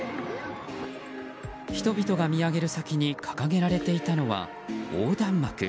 人々が見上げる先に掲げられていたのは横断幕。